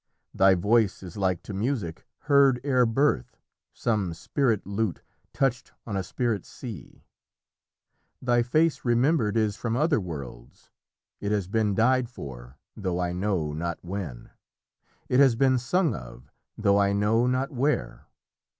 Thy voice is like to music heard ere birth, Some spirit lute touched on a spirit sea; Thy face remembered is from other worlds, It has been died for, though I know not when, It has been sung of, though I know not where.